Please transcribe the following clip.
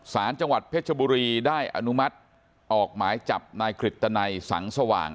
สารจังหวัดเพชรบุรีได้อนุมัติออกหมายจับนายกฤตนัยสังสว่าง